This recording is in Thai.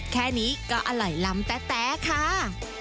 แค่นี้ก็อร่อยลำแต๊ค่ะ